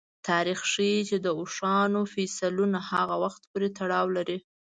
تاریخ ښيي چې د اوښانو فسیلونه هغه وخت پورې تړاو لري.